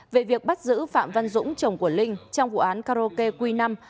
về việc bắt giữ phạm văn dũng chồng của linh trong vụ án karaoke quy năm